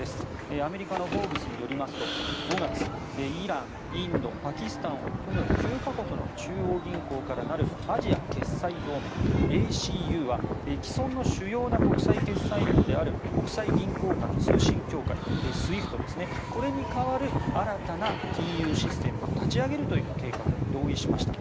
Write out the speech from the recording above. アメリカのフォーブスによりますと５月、イラン、インドパキスタンを含む９か国の中央銀行からなるアジア決済同盟・ＡＣＵは既存の主要な国際決済網である国際銀行間通信協会・ＳＷＩＦＴこれに代わる新たな金融システムを立ち上げるという計画に同意しました。